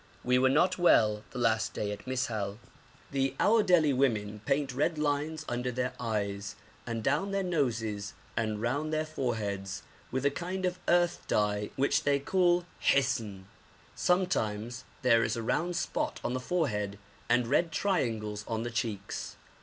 We were not well the last day at Mis'hal. The Aòdeli women paint red lines under their eyes and down their noses and round their foreheads with a kind of earth dye which they call hisn. Sometimes there is a round spot on the forehead and red triangles on the cheeks.